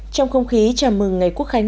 trong không khí chào mừng ngày quốc khánh